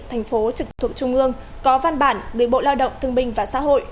thành phố trực thuộc trung ương có văn bản gửi bộ lao động thương binh và xã hội